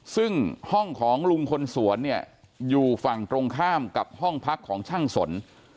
ซึ่งห้องของลุงคนสวนเนี่ยอยู่ฝั่งตรงข้ามกับห้องพักของช่างสน